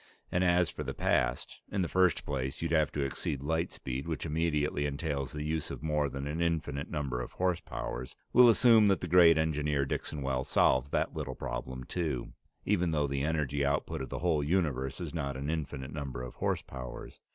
And as for the past in the first place, you'd have to exceed light speed, which immediately entails the use of more than an infinite number of horsepowers. We'll assume that the great engineer Dixon Wells solves that little problem too, even though the energy out put of the whole universe is not an infinite number of horsepowers.